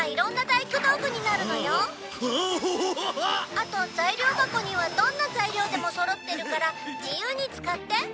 「あと材料箱にはどんな材料でもそろってるから自由に使って」